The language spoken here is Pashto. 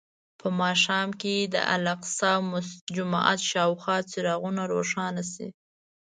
په ماښام کې د الاقصی جومات شاوخوا څراغونه روښانه شي.